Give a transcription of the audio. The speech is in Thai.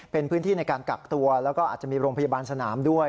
เป็นพื้นที่ในการกักตัวแล้วก็อาจจะมีโรงพยาบาลสนามด้วย